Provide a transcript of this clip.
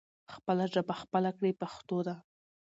خپله ژبه خپله کړې پښتو ده.